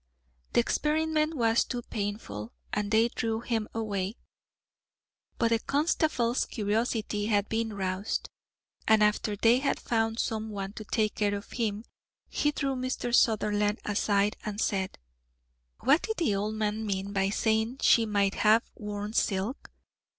The experiment was too painful, and they drew him away. But the constable's curiosity had been roused, and after they had found some one to take care of him, he drew Mr. Sutherland aside and said: "What did the old man mean by saying she might have worn silk?